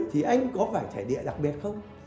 thì anh có phải trải địa đặc biệt không